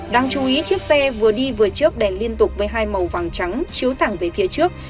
đáng chú ý chiếc xe vừa đi vừa trước đèn liên tục với hai màu vàng trắng chứa thẳng về phía trước